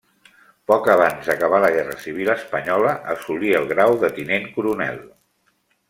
Poc abans d'acabar la guerra civil espanyola assolí el grau de tinent coronel.